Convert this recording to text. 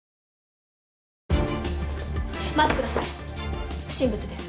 待って下さい不審物です。